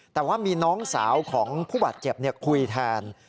แต่ว่ามีน้องสาวของผู้บาดเจ็บคุยแทน